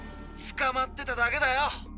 つかまってただけだよ。